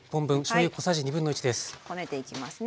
こねていきますね。